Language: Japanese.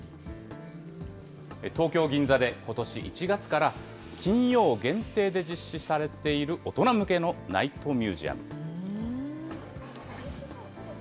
東京・銀座でことし１月から、金曜限定で実施されている、大人向けのナイトミュージアム。